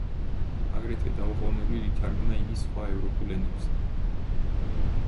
აგრეთვე დაუყონებლივ ითარგმნა იგი სხვა ევროპულ ენებზე.